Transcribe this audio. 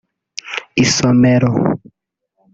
isomero